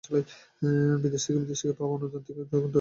বিদেশ থেকে পাওয়া অনুদান যেকোনো তফশিলি ব্যাংকের মাধ্যমে গ্রহণ করতে হবে।